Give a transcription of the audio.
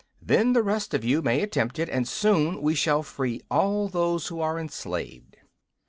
Then the rest of you may attempt it, and soon we shall free all those who are enslaved."